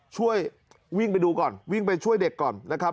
ช่วยวิ่งไปดูก่อนวิ่งไปช่วยเด็กก่อนนะครับ